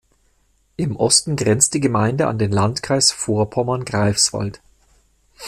Im Osten grenzt die Gemeinde an den Landkreis Vorpommern-Greifswald.